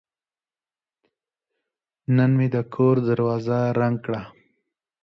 نن مې د کور دروازه رنګ کړه.